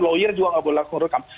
lawyer juga gak boleh langsung rekam